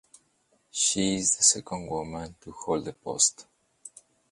She is the second woman to hold the post.